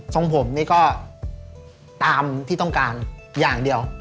ของผมนี่ก็ตามที่ต้องการอย่างเดียว